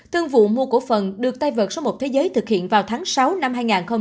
tương vụ mua của phần được tây vật số một thế giới thực hiện vào tháng sáu năm hai nghìn hai mươi